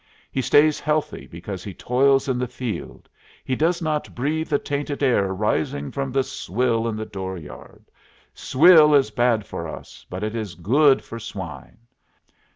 He stays healthy because he toils in the field. He does not breathe the tainted air rising from the swill in the door yard. Swill is bad for us, but it is good for swine.